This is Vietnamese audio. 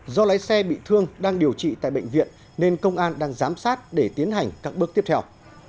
do lái xe bị thương đang điều trị tại bệnh viện nên công an đang giám sát để tiến hành các bước tiếp theo